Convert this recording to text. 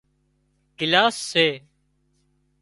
گلاسي سي